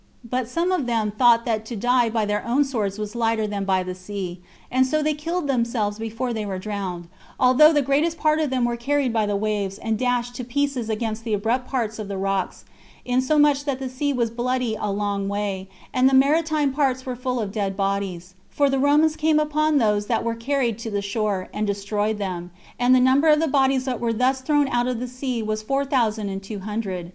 But some of them thought that to die by their own swords was lighter than by the sea, and so they killed themselves before they were drowned; although the greatest part of them were carried by the waves, and dashed to pieces against the abrupt parts of the rocks, insomuch that the sea was bloody a long way, and the maritime parts were full of dead bodies; for the Romans came upon those that were carried to the shore, and destroyed them; and the number of the bodies that were thus thrown out of the sea was four thousand and two hundred.